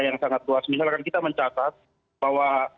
yang sangat luas misalkan kita mencatat bahwa